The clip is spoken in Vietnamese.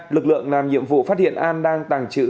lực lượng làm nhiệm vụ phát hiện an đang tàng trữ